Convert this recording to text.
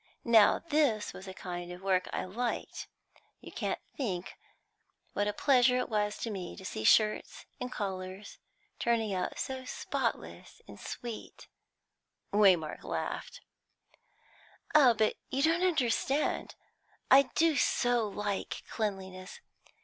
Now this was a kind of work I liked. You can't think what a pleasure it was to me to see shirts and collars turning out so spotless and sweet " Waymark laughed. "Oh, but you don't understand. I do so like cleanliness!